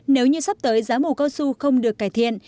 nếu như sắp tới giá mù cao su không được cải thiện